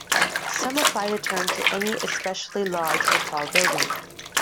Some apply the term to any especially large or tall building.